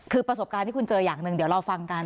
คือประสบการณ์ที่คุณเจออย่างหนึ่งเดี๋ยวเราฟังกัน